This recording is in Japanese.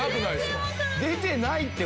出てないって！